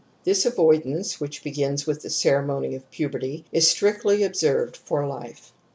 This avoidance, which \^ begins with the ceremony of puberty, is strictly observed for life.